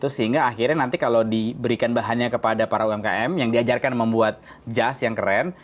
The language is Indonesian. sehingga akhirnya nanti kalau diberikan bahannya kepada para umkm yang diajarkan membuat jas yang keren